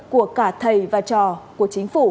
của cả thầy và trò của chính phủ